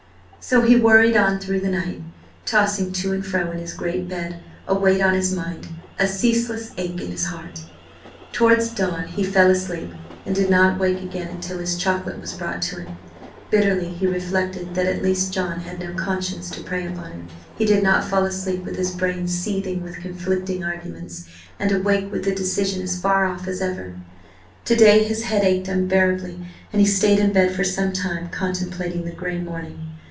So he worried on through the night, tossing to and fro in his great bed, a weight on his mind, a ceaseless ache in his heart. Towards dawn he fell asleep and did not wake again until his chocolate was brought to him. Bitterly he reflected that at least John had no conscience to prey upon him; he did not fall asleep with his brain seething with conflicting arguments, and awake with the decision as far off as ever. To day his head ached unbearably, and he stayed in bed for some time contemplating the grey morning.